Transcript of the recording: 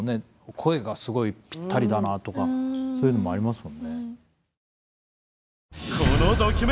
声がすごいぴったりだなとかそういうのもありますもんね。